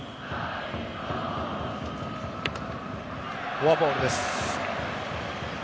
フォアボールです。